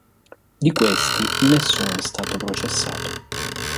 Di questi, nessuno è stato processato.